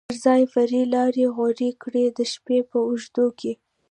پر ځای فرعي لارې غوره کړو، د شپې په اوږدو کې.